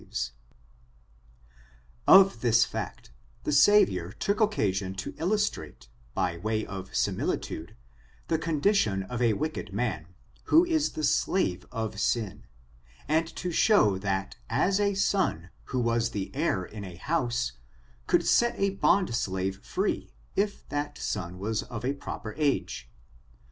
FORTUNES, OF THE NEGRO RACE. 908 Of this fiicty the Savior took occasion to illustrate, by way of similitude, the condition of a wicked man, who is the slave of sin, and to show that as a san^ who was the heir in a house, could set a bond slave free, if that son was of the proper age.